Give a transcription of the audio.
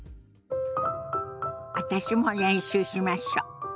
私も練習しましょ。